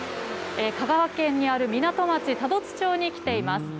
香川県にある港町、多度津町に来ています。